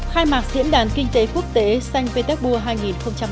khai mạc diễn đàn kinh tế quốc tế xanh petersburg hai nghìn một mươi tám